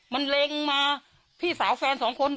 มันเล็งมาพี่สาวแฟนสองคน